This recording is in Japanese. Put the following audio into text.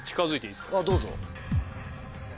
どうぞ。